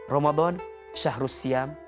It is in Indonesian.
ramadan syahrus siam